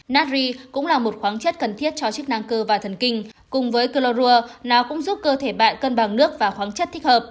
natry cũng là một khoáng chất cần thiết cho chức năng cơ và thần kinh cùng với chloroua nó cũng giúp cơ thể bạn cân bằng nước và khoáng chất thích hợp